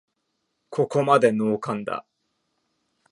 ここまでノーカンだ